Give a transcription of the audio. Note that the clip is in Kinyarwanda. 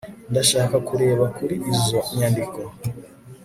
Ndashaka kureba kuri izo nyandiko